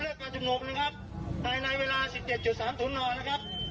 การชุมนุมนะครับภายในเวลาสิบเจ็ดจุดสามถุนหน่อยนะครับ